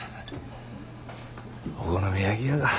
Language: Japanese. お好み焼き屋か。